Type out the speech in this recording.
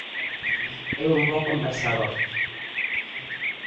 É un bo conversador.